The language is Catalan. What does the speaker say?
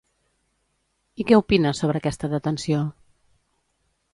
I què opina sobre aquesta detenció?